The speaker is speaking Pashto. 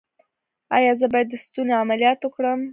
ایا زه باید د ستوني عملیات وکړم؟